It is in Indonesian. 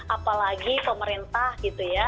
apalagi pemerintah gitu ya